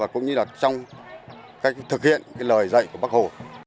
cũng như trong cách thực hiện lời dạy của bác hồ